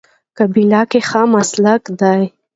قابله ګي ښه مسلک دی